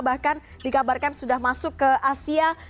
bahkan dikabarkan sudah masuk ke asia